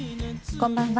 こんばんは。